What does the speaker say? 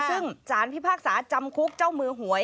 ซึ่งสารพิพากษาจำคุกเจ้ามือหวย